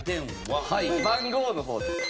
はい番号の方です。